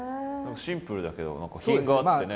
シンプルだけど何か品があってね。